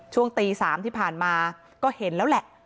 ช่วงตี๓ที่ผ่านมาก็เห็นแล้วแหละ